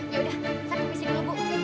ya udah saya pergi sini dulu bu